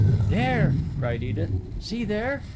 "There," cried Edith. "See there!"